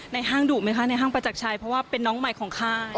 ห้างดุไหมคะในห้างประจักรชัยเพราะว่าเป็นน้องใหม่ของค่าย